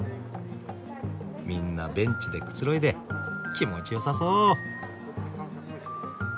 みんなベンチでくつろいで気持ちよさそう。